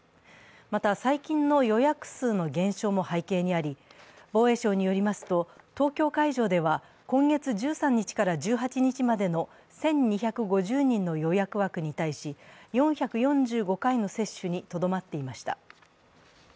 また、最近の予約数の減少も背景にあり防衛省によりますと、東京会場では今月１３日から１８日までの１２５０人の予約枠に対し４４５回の接種にとどまっていました。